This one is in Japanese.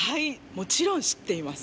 もちろん知っています。